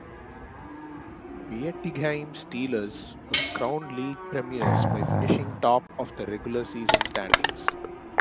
Bietigheim Steelers was crowned league premiers by finishing top of the regular season standings.